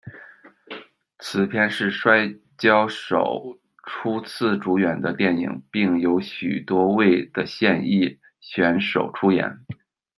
此片是摔角手初次主演的电影，并有许多位的现役选手出演。